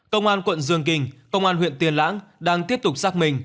công an quận dương kinh công an huyện tiên lãng đang tiếp tục xác mình